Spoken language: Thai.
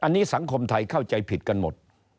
อันนี้สังคมไทยเข้าใจผิดกันหมด